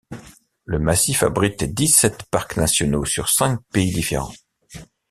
Le massif abrite dix-sept parcs nationaux sur cinq pays différents.